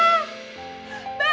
bella kamu dimana bella